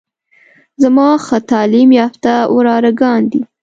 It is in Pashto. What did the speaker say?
زما ښه تعليم يافته وراره ګان دي.